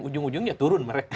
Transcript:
ujung ujungnya turun mereka